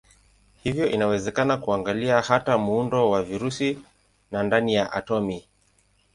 Hivyo inawezekana kuangalia hata muundo wa virusi na ndani ya atomi.